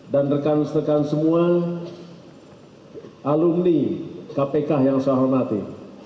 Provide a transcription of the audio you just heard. dan rekan rekan semua alumni kpk yang saya hormati